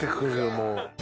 もう。